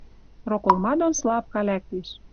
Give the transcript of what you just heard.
«Роколма дон слабка лӓктеш